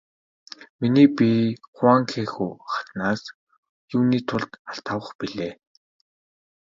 Миний бие Хуванхэхү хатнаас юуны тулд алт авах билээ?